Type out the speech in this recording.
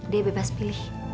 dia bebas pilih